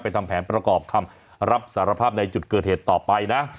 ทำแผนประกอบคำรับสารภาพในจุดเกิดเหตุต่อไปนะ